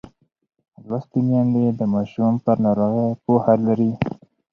لوستې میندې د ماشوم پر ناروغۍ پوهه لري.